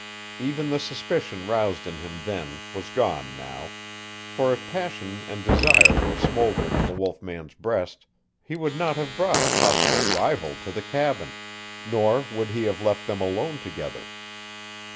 Even the suspicion roused in him then was gone now, for if passion and desire were smoldering in the wolf man's breast he would not have brought a possible rival to the cabin, nor would he have left them alone together.